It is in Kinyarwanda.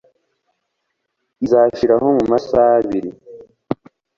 Isima izashyiraho mumasaha abiri.